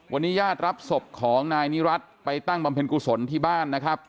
วันนี้ญาติรับศพของนายนิรัติไปตั้งบำเพ็ญกุศลที่บ้านนะครับ